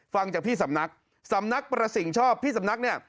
ฟังจากพี่สำนักสำนักประสิ่งชอบพี่สำนักเนี่ย